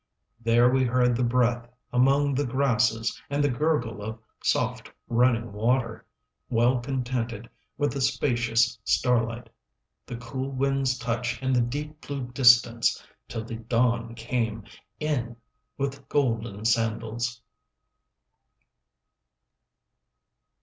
5 There we heard the breath among the grasses And the gurgle of soft running water, Well contented with the spacious starlight, The cool wind's touch and the deep blue distance, Till the dawn came in with golden sandals.